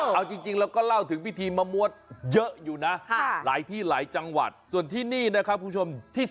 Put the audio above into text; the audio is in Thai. เอาจริงเราก็เล่าถึงพิธีมะมวดเยอะอยู่นะหลายที่หลายจังหวัดส่วนที่นี่นะครับคุณผู้ชมที่